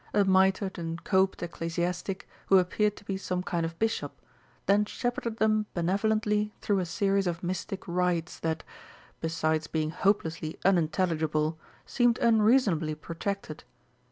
A mitred and coped ecclesiastic, who appeared to be some kind of Bishop, then shepherded them benevolently through a series of mystic rites that, besides being hopelessly unintelligible, seemed unreasonably protracted.